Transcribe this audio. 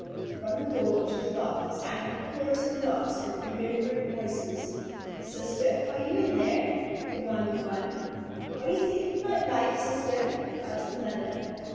From the door, which was locked, sounded a chorus of knocks and irreverent voices. "Sister, are you in there?" demanded one. "Are you thinking about Life, sister?" asked another.